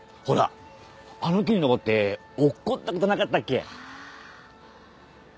ほらあの木に登って落っこったことなかったっけ？